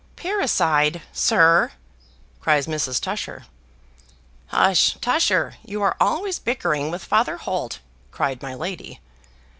"Parricide, sir!" cries Mrs. Tusher. "Hush, Tusher you are always bickering with Father Holt," cried my lady.